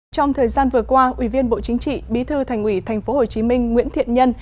trong thời gian vừa qua ủy viên bộ chính trị bí thư thành ủy tp hcm nguyễn thiện nhân